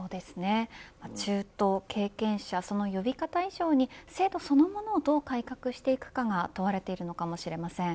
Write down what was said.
中途、経験者その呼び方以上に制度そのものをどう改革していくかがどう改革していくかが問われているのかもしれません。